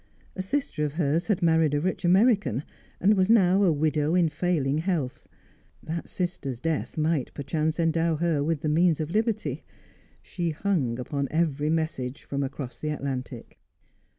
A sister of hers had married a rich American, and was now a widow in failing health. That sister's death might perchance endow her with the means of liberty; she hung upon every message from across the Atlantic.